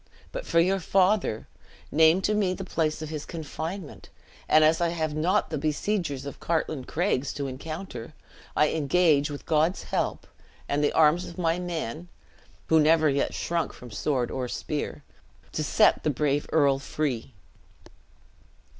But for your father; name to me the place of his confinement, and as I have not the besiegers of Cartlane Craigs to encounter. I engage, with God's help, and the arms of my men (who never yet shrunk from sword or spear), to set the brave earl free!"